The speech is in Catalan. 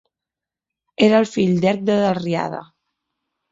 Era el fill d'Erc de Dalriada.